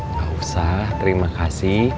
gak usah terima kasih